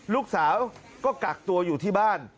ลูกสาวก็กักตัวอยู่ที่บ้าน